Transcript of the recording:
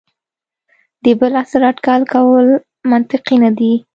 د بل عصر اټکل کول منطقي نه دي.